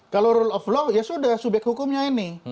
kalau rule of law ya sudah subyek hukumnya ini